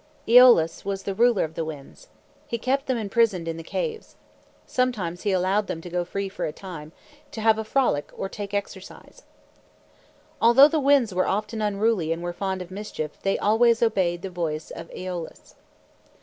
Eolus was ruler of the Winds. He kept them imprisoned in the caves. Sometimes he allowed them to go free for a time, to have a frolic or take exercise. Although the Winds were often unruly and were fond of mischief, they always obeyed the voice of Eolus.